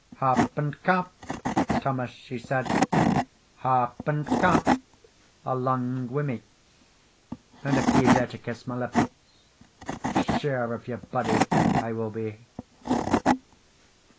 "Harp and carp, Thomas," she said, "Harp and carp, along wi' me, And if ye dare to kiss my lips, Sure of your bodie I will be!"